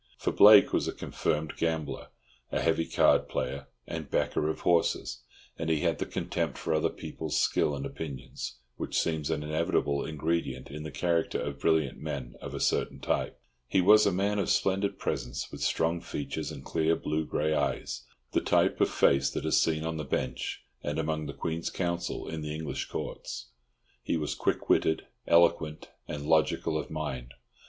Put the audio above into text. For Blake was a confirmed gambler, a heavy card player and backer of horses, and he had the contempt for other people's skill and opinions which seems an inevitable ingredient in the character of brilliant men of a certain type. He was a man of splendid presence, with strong features and clear blue grey eyes—the type of face that is seen on the Bench and among the Queen's Counsel in the English Courts. He was quick witted, eloquent, and logical of mind.